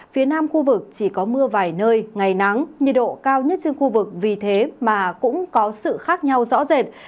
phía nam khu vực chỉ có mưa vài nơi ngày nắng nhiệt độ cao nhất trên khu vực vì thế mà cũng có sự khác nhau rõ rệt